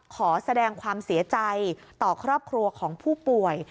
ขอแสดงความเสียใจต่อครอบครัวของผู้ป่วย